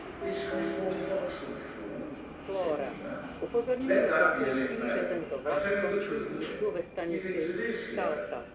"Ziska is more fox than fool," said Nina. "Let that be as it may. I tell you the truth of him. He thinks it is here.